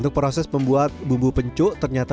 kurang lebih bumbunya sebanyak ini